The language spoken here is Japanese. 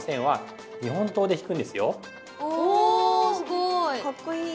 おすごい！